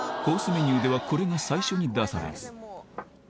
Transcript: メニューではこれが最初に出されます